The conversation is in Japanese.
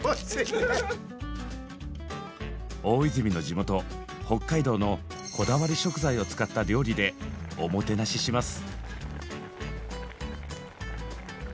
大泉の地元北海道のこだわり食材を使った料理でおもてなしします。